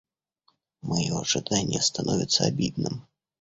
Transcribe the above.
Мое ожидание становится обидным.